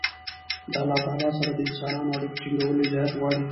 د الله تعالی سره د انسانانو اړیکي ټینګول رياضت غواړي.